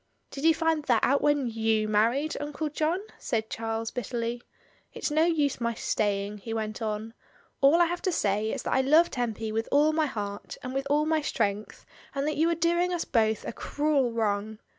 "Did you find that out when j^ou married, Uncle John?" said Charles bitterly. "It's no use my stay ing," he went on. "All I have to say is that I love Tempy with all my heart, and with all my strength, and that you are doing us both a cruel wrong.